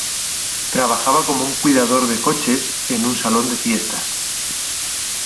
Trabajaba como cuidador de coches en un salón de fiestas.